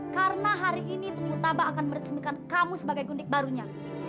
karena hari ini tunggu taba akan meresmikan kamu sebagai gundik barunya